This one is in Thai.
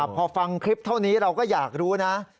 พอฟังคลิปเท่านี้เราก็อยากรู้นะ